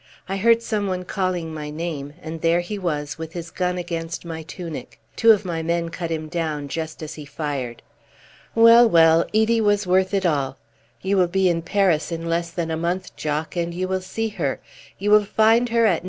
"I heard someone calling my name, and there he was with his gun against my tunic. Two of my men cut him down just as he fired. Well, well, Edie was worth it all! You will be in Paris in less than a month, Jock, and you will see her. You will find her at No.